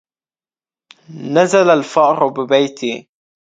نزل الفأر ببيتي